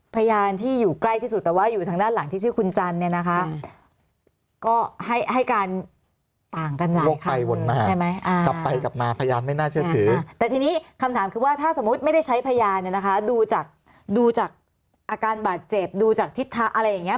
พยายามเนี้ยนะคะดูจากดูจากอาการบาดเจ็บดูจากทิศทาอะไรอย่างเงี้ย